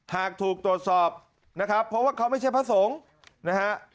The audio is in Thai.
หากถูกตรวจสอบนะครับเพราะว่าเขาไม่ใช่พระสงฆ์นะฮะ